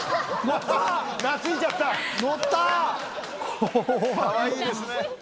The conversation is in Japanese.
かわいいですね。